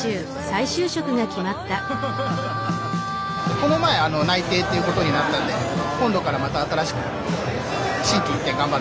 この前内定っていう事になったんで今度からまた新しく心機一転頑張る。